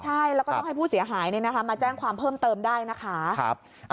ใช่แล้วก็ต้องให้ผู้เสียหายมาแจ้งความเพิ่มเติมได้นะคะ